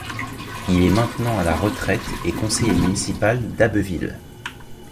Il est maintenant à la retraite et conseiller municipal d'Abbeville.